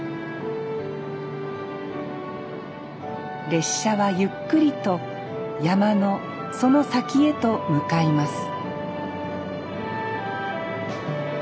列車はゆっくりと山のその先へと向かいます